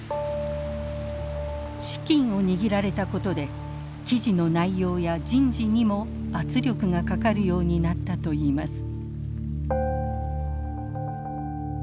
資金を握られたことで記事の内容や人事にも圧力がかかるようになったといいます。